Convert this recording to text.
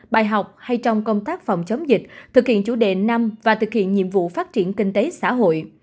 bài học hay trong công tác phòng chống dịch thực hiện chủ đề năm và thực hiện nhiệm vụ phát triển kinh tế xã hội